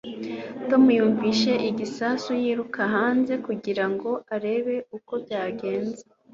Tom yumvise igisasu yiruka hanze kugira ngo arebe uko byagenze